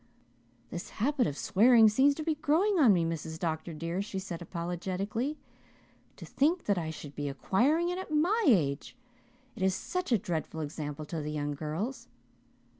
"This habit of swearing seems to be growing on me, Mrs. Dr. dear," she said apologetically. "To think that I should be acquiring it at my age! It is such a dreadful example to the young girls.